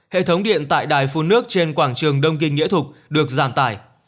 hệ thống điện tại đài phun nước trên quảng trường đông kinh nghĩa thục được giảm tải